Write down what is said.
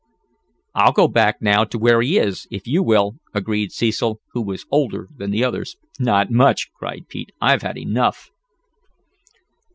"I'll go back now to where he is, if you will," agreed Cecil, who was older than the others. "Not much!" cried Pete. "I've had enough."